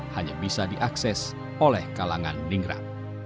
hanya bisa diakses oleh kalangan ningrat